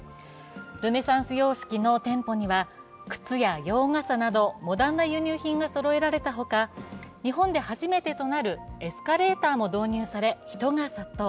ルネサンス様式の店舗には靴や洋傘などモダンな輸入品がそろえられたほか日本で初めてとなるエスカレーターも導入され、人が殺到。